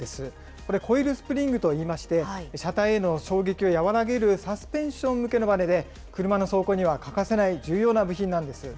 これ、コイルスプリングといいまして、車体への衝撃を和らげるサスペンション向けのばねで、車の走行には欠かせない重要な部品なんです。